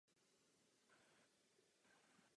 Ta se nacházela vedle fary.